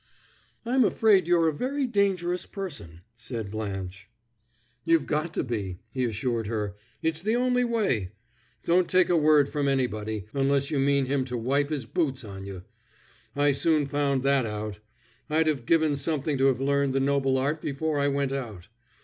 "I'm afraid you're a very dangerous person," said Blanche. "You've got to be," he assured her; "it's the only way. Don't take a word from anybody, unless you mean him to wipe his boots on you. I soon found that out. I'd have given something to have learned the noble art before I went out.